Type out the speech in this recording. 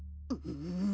うん。